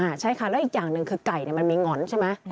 ใช่ค่ะแล้วอีกอย่างหนึ่งคือไก่มันมีหง่อนใช่ไหม